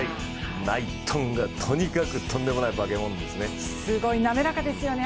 ナイトンがとにかくとんでもない化け物ですね。